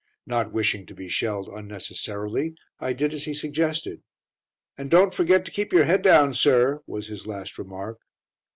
Not wishing to be shelled unnecessarily, I did as he suggested. "And don't forget to keep your head down, sir," was his last remark.